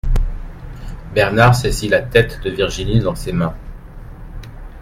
Bernard saisit la tête de Virginie dans ses mains.